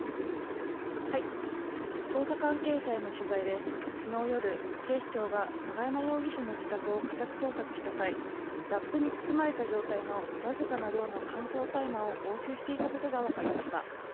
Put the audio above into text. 捜査関係者への取材で昨日夜警視庁が永山容疑者の自宅を家宅捜索した際、ラップに包まれた状態の僅かな量の乾燥大麻を押収していたことが分かりました。